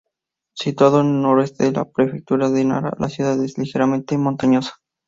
Situado al noroeste de la prefectura de Nara, la ciudad es ligeramente montañosa.